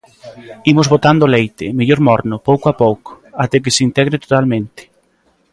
Imos botando o leite, mellor morno, pouco a pouco, até que se integre totalmente.